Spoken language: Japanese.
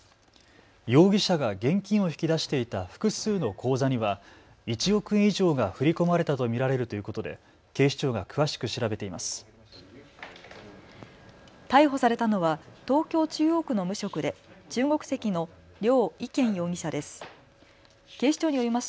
容疑者が現金を引き出していた複数の口座には１億円以上が振り込まれたと見られるということで警視庁が詳しく調べています。